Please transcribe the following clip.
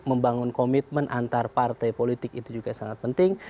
membangun komitmen antar partai politik itu juga sangat penting